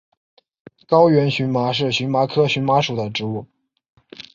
高原荨麻是荨麻科荨麻属的植物。